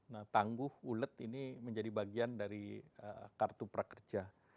nah tangguh ulet ini menjadi bagian dari kartu prakerja